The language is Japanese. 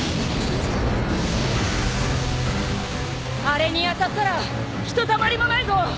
あれに当たったらひとたまりもないぞ！